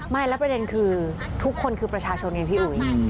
ไม่แล้วประเด็นคือทุกคนคือประชาชนเองพี่อุ๋ย